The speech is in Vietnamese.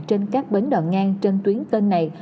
trên các bến đò ngang trên tuyến cân này